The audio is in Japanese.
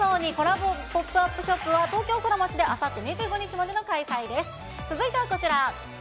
コラボポップアップショップは東京ソラマチであさって２５日までの開催です。